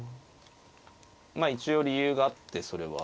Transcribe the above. まあ一応理由があってそれは。